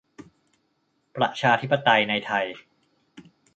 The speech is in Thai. ประชาธิปไตยในไทย